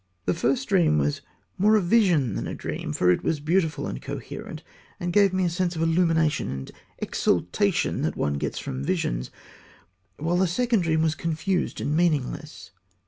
The first dream was more a vision than a dream, for it was beautiful and coherent, and gave me a sense of illumination and exaltation that one gets from visions, while the second dream was confused and meaningless.